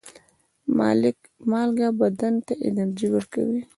مالګه بدن ته انرژي ورکوي.